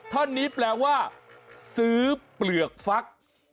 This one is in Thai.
ท่อนนี้แปลว่าซื้อเปลือกฟัก